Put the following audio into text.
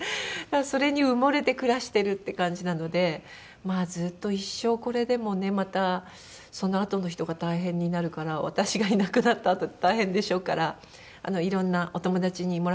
それに埋もれて暮らしてるって感じなのでまあずっと一生これでもねまたそのあとの人が大変になるから私がいなくなったあと大変でしょうからいろんなお友達にもらってくれる方に。